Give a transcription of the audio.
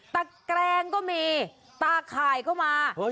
แกรงก็มีตาข่ายก็มา